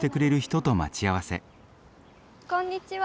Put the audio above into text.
こんにちは。